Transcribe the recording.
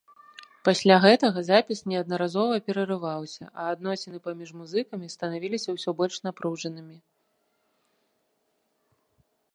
Пасля гэтага запіс неаднаразова перарываўся, а адносіны паміж музыкамі станавіліся ўсе больш напружанымі.